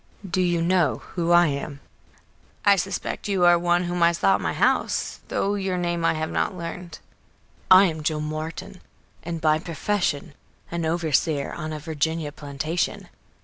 "Do you know who I am?" "I suspect you are one whom I saw at my house, though your name I have not learned." "I am Joel Martin, and by profession an overseer on a Virginia plantation.